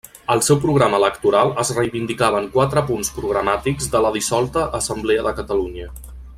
Al seu programa electoral es reivindicaven quatre punts programàtics de la dissolta Assemblea de Catalunya.